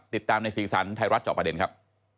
ติดตามในสีสันไทยรัฐจอบประเด็นครับ